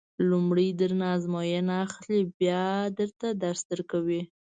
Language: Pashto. لومړی درنه ازموینه اخلي بیا درته درس درکوي.